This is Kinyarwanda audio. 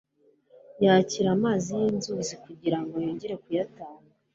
yakira amazi y'inzuzi kugira ngo yongere kuyatanga.